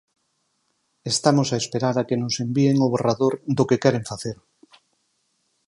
Estamos a esperar a que nos envíen o borrador do que queren facer.